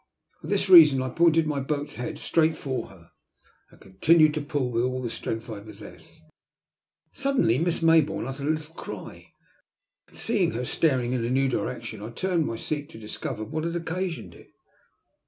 For this reason I pointed my boat's head straight for her and continued to pull with all the strength I possessed. Suddenly Miss Mayboume uttered a little cry, and seeing her staring in a new direction I turned in my seat to discover what had occasioned it.